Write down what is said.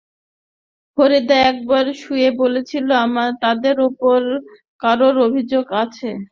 ফরিদা একবার শুধু বলেছিলেন, আমাদের ওপর কারোর অভিশাপ আছে।